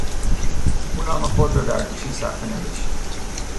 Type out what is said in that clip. او نام خود را در گوشهی صفحه نوشت.